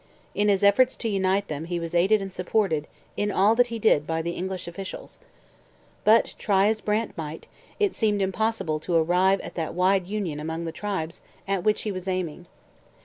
In his efforts to unite them he was aided and supported in all that he did by the English officials. But, try as Brant might, it seemed impossible to arrive at that wide union among the tribes at which he was aiming.